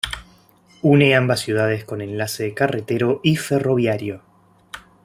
Une ambas ciudades con enlace carretero y ferroviario.